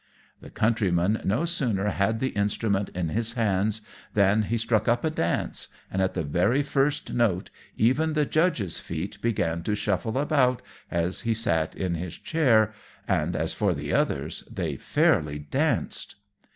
The Countryman no sooner had the instrument in his hands than he struck up a dance, and at the very first note even the judge's feet began to shuffle about as he sat in his chair, and as for the others they fairly danced.